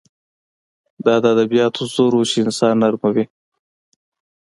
دا د ادبیاتو زور و چې انسان نرموي